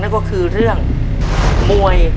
นั่นก็คือเรื่องมวย